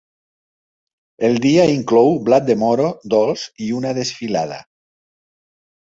El dia inclou blat de moro dolç i una desfilada.